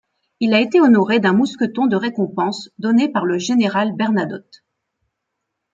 Il a été honoré d'un mousqueton de récompense donné par le général Bernadotte.